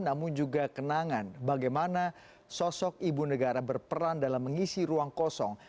namun juga kenangan bagaimana sosok ibu negara berperan dalam mengisi ruang kosong